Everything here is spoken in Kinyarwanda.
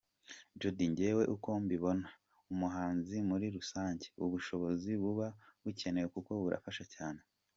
Jody : Njyewe uko mbibona, umuhanzi muri rusange, ubushobozi buba bukenewe kuko burafasha cyane.